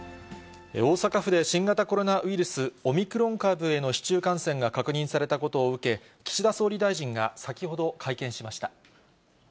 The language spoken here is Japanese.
大阪府で新型コロナウイルス、オミクロン株への市中感染が確認されたことを受け、岸田総理大臣が先ほど、会見しました。